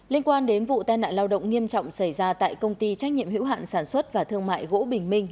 liên quan đến vụ tai nạn lao động nghiêm trọng xảy ra tại công ty trách nhiệm hữu hạn sản xuất và thương mại gỗ bình minh